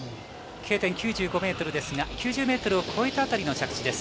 Ｋ点９５ｍですが９０ｍを越えた辺りの着地。